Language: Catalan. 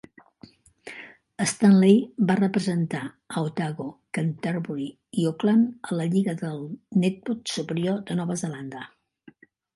Stanley va representar a Otago, Canterbury i Auckland a la lliga de netbol superior de Nova Zelanda.